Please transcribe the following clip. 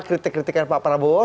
kritik kritik dari pak prabowo